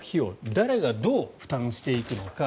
誰がどう負担していくのか。